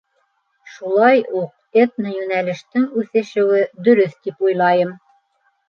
Шулай уҡ этно йүнәлештең үҫешеүе дөрөҫ тип уйлайым.